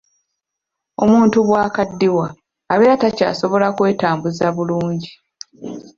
Omuntu bw'akaddiwa, abeera takyasobola kwetambuza bulungi.